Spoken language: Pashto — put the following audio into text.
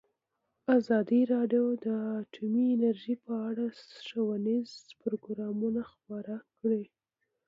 ازادي راډیو د اټومي انرژي په اړه ښوونیز پروګرامونه خپاره کړي.